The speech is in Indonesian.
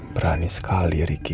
berani sekali riki